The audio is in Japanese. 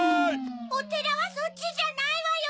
おてらはそっちじゃないわよ！